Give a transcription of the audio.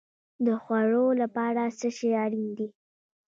د خوړو لپاره څه شی اړین دی؟